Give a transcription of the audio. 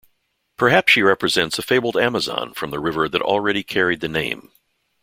Perhaps she represents a fabled Amazon from the river that already carried the name.